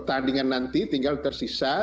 tandingan nanti tinggal tersisa